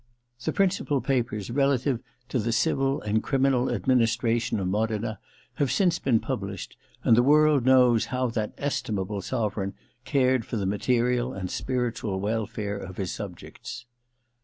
The principal papers relative to the civil and criminal ad ministration of Modena have since been pub lished, and the world knows how that estimable sovereign cared for the material and spiritual welfare of his subjects.